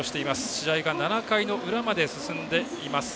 試合が７回の裏まで進んでいます。